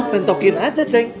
pentokin aja ceng